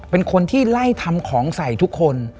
เป็นคนที่ไล่ทำของใส่ทุกคน